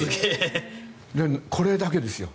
これだけですよ。